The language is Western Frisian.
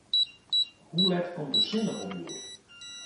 Hoe let komt de sinne op hjoed?